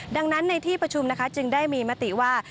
ดังนั้นในที่ประชุมนะคะจึงได้มีมติว่า